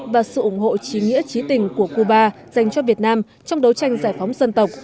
và sự ủng hộ trí nghĩa trí tình của cuba dành cho việt nam trong đấu tranh giải phóng dân tộc